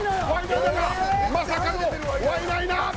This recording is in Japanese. まさかのワイナイナ！